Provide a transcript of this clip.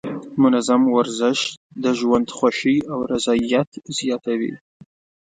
منظم ورزش د ژوند خوښۍ او رضایت زیاتوي.